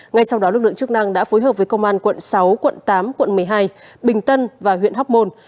ngay sau đó lực lượng chức năng đã phối hợp với công an quận sáu quận tám quận một mươi hai bình tân và huyện hóc môn